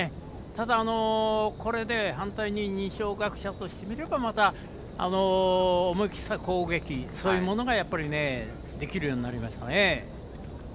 ただ、これで反対に二松学舍としてみればまた思い切った攻撃そういうものができるようになりましたね。